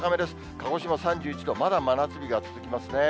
鹿児島３１度、まだ真夏日が続きますね。